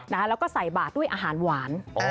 แล้วก็ใส่บาทด้วยอาหารหวาน